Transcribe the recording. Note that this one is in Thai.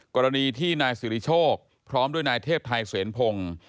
กรณีที่นายสิริโชคพร้อมด้วยนายเทพไทยเสนพงศ์